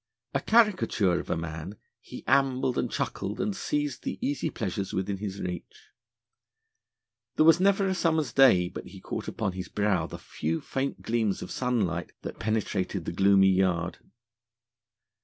A caricature of a man, he ambled and chuckled and seized the easy pleasures within his reach. There was never a summer's day but he caught upon his brow the few faint gleams of sunlight that penetrated the gloomy yard.